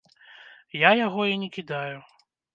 Я яго і не кідаю.